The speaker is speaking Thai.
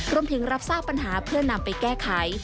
รับทราบปัญหาเพื่อนำไปแก้ไข